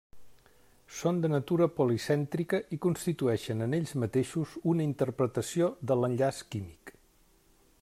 Són de natura policèntrica i constitueixen en ells mateixos una interpretació de l'enllaç químic.